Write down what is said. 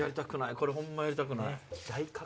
これホンマやりたくない。